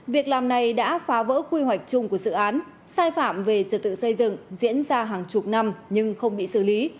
việc làm này đã phá vỡ quy hoạch chung của dự án sai phạm về trật tự xây dựng diễn ra hàng chục năm nhưng không bị xử lý